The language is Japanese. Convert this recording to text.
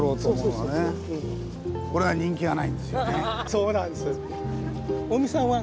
そうなんです。